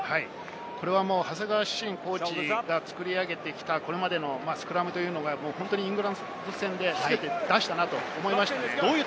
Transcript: これは長谷川慎コーチが作り上げてきたこれまでのスクラムというのをイングランド戦で全て出したなと思いました。